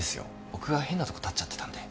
僕が変なとこ立っちゃってたんで。